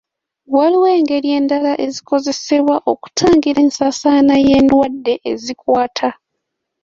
Waliwo engeri endala ezikozesebwa okutangira ensaasaana y'endwadde ezikwata.